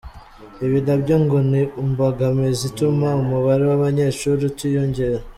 Ibi na byo ngo ni imbogamizi ituma umubare w’abanyeshuri utiyongera.